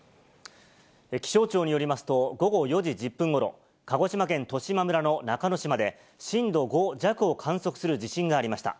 気象庁によりますと、午後４時１０分ごろ、鹿児島県十島村の中之島で、震度５弱を観測する地震がありました。